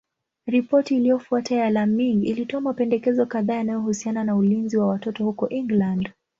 Ripoti iliyofuata ya Laming ilitoa mapendekezo kadhaa yanayohusiana na ulinzi wa watoto huko England.